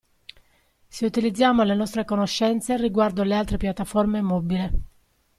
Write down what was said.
Se utilizziamo le nostre conoscenze riguardo le altre piattaforme mobile.